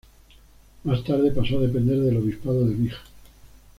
Más tarde pasó a depender del obispado de Vich.